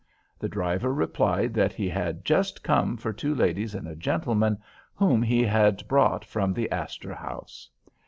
The driver replied that he had just come for two ladies and a gentleman whom he had brought from the Astor House.